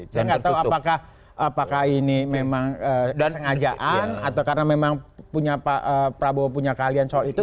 saya nggak tahu apakah ini memang sengajaan atau karena memang prabowo punya keahlian soal itu